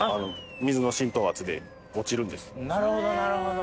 なるほどなるほど。